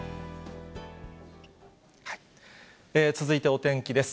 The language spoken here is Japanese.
続いてお天気です。